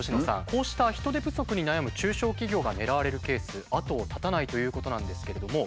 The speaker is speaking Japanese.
こうした人手不足に悩む中小企業が狙われるケース後を絶たないということなんですけれども。